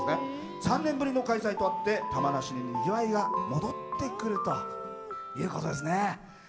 ３年ぶりの開催とあって玉名市に、にぎわいが戻ってくるということですね